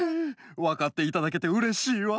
わかっていただけてうれしいわ。